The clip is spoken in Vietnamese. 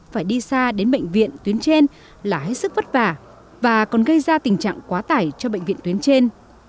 phải đi xa đến bệnh viện tuyến trên là hết sức vất vả và còn gây ra tình trạng quá tải cho bệnh viện tuyến trên